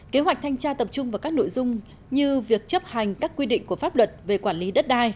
kế hoạch thanh tra tập trung vào các nội dung như việc chấp hành các quy định của pháp luật về quản lý đất đai